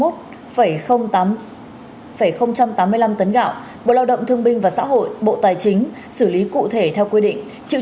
hai chín trăm hai mươi một tám mươi năm tấn gạo bộ lao động thương binh và xã hội bộ tài chính xử lý cụ thể theo quy định